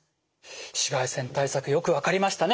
紫外線対策よく分かりましたね。